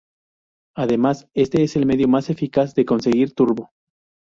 Además este es el medio más eficaz de conseguir turbo.